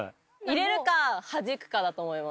入れるかはじくかだと思います。